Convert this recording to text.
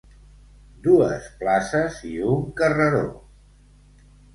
Dues places i un carreró.